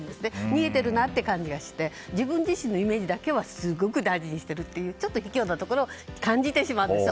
逃げている感じがして自分自身のイメージだけはすごく大事にしているというちょっと卑怯なところを感じてしまうんですよ。